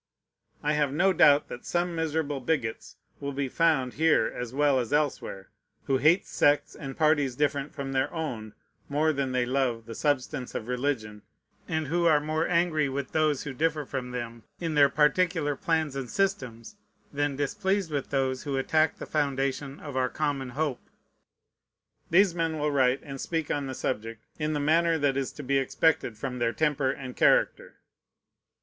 I have no doubt that some miserable bigots will be found here as well as elsewhere, who hate sects and parties different from their own more than they love the substance of religion, and who are more angry with those who differ from them in their particular plans and systems than displeased with those who attack the foundation of our common hope. These men will write and speak on the subject in the manner that is to be expected from their temper and character.